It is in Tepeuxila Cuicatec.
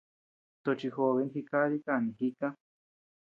Tochi jobe jikadi kanii jika.